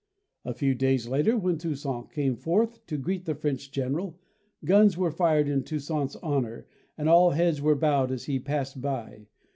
A few days later, when Toussaint came forth to greet the French general, guns were fired in Tous saint's honor and all heads were bowed as he passed by.